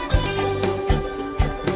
kamu juga sama